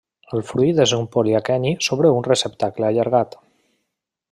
El fruit és un poliaqueni sobre un receptacle allargat.